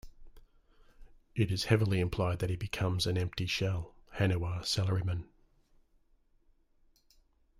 It is heavily implied that he becomes an empty shell, Haniwa Salaryman.